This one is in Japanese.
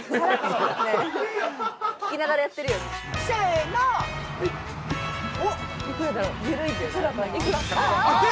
聴きながらやってるよね。